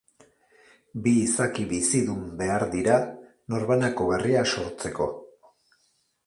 Bi izaki bizidun behar dira norbanako berria sortzeko.